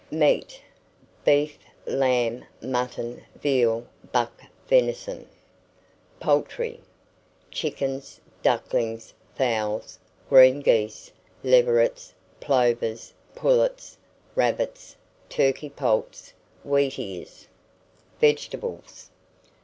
MEAT. Beef, lamb, mutton, veal, buck venison. POULTRY. Chickens, ducklings, fowls, green geese, leverets, plovers, pullets, rabbits, turkey poults, wheatears. VEGETABLES.